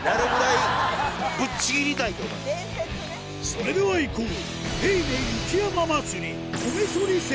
それではいこう！